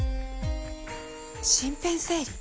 身辺整理？